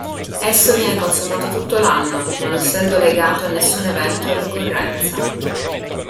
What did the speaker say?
Esso viene consumato tutto l'anno, non essendo legato a nessun evento o ricorrenza.